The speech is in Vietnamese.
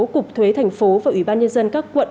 cục thuế thành phố và ubnd các quận